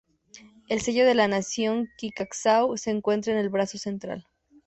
El sello de la Nación Chickasaw se encuentra en el brazo central.